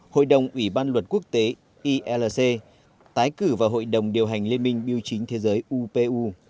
hội đồng ủy ban luật quốc tế ilc tái cử vào hội đồng điều hành liên minh biêu chính thế giới upu